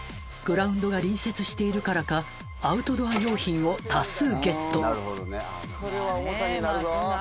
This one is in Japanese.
グラウンドが隣接しているからかアウトドア用品を多数ゲットこれは重さになるぞ。